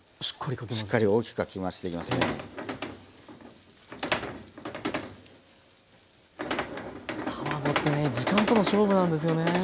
卵ってね時間との勝負なんですよね。